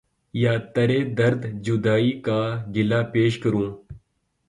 یا ترے درد جدائی کا گلا پیش کروں